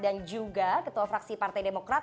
dan juga ketua fraksi partai demokrat